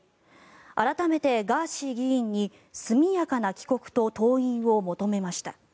改めてガーシー議員に速やかな帰国と登院を求めました。